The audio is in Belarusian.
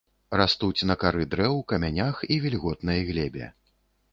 Растуць на кары дрэў, камянях і вільготнай глебе.